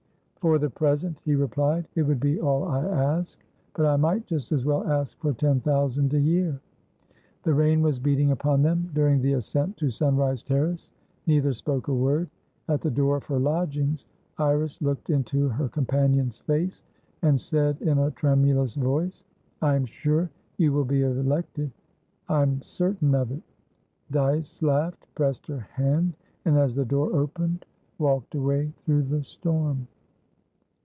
"For the present," he replied, "it would be all I ask. But I might just as well ask for ten thousand a year." The rain was beating upon them. During the ascent to Sunrise Terrace, neither spoke a word. At the door of her lodgings, Iris looked into her companion's face, and said in a tremulous voice: "I am sure you will be elected! I'm certain of it!" Dyce laughed, pressed her hand, and, as the door opened, walked away through the storm.